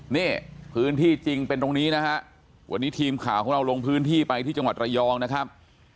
นี่พื้นที่จริงเป็นตรงนี้นะฮะวันนี้ทีมข่าวของเราลงพื้นที่ไปที่จังหวัดระยองนะครับ